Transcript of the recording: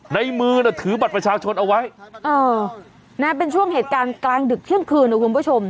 ในมือน่ะถือบัตรประชาชนเอาไว้เออนะเป็นช่วงเหตุการณ์กลางดึกเที่ยงคืนนะคุณผู้ชม